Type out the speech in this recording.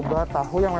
bu tahu bu